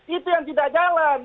itu yang tidak jalan